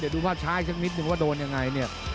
เดี๋ยวดูภาพช้าอีกสักนิดนึงว่าโดนยังไงเนี่ย